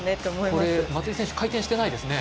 これ松井選手回転してないですね。